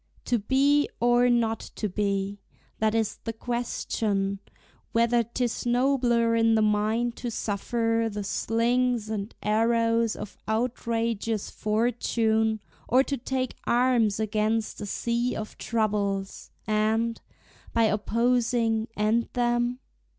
To be, or not to be, that is the question Whether 't is nobler in the mind to suffer The slings and arrows of outrageous fortune, Or to take arms against a sea of troubles, And, by opposing, end them?